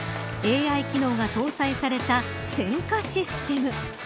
ＡＩ機能が搭載された選果システム。